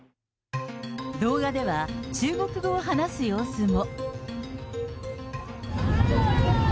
動画では、中国語を話す様子も。